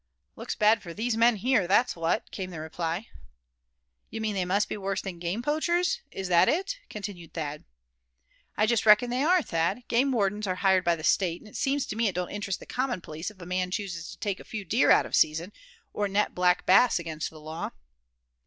"Looks bad for these here men, that's what," came the reply. "You mean they must be worse than game poachers; is that it?" continued Thad. "I just reckon they are, Thad. Game wardens are hired by the State; and seems to me it don't interest the common police if a man chooses to take a few deer out of season, or net black bass against the law."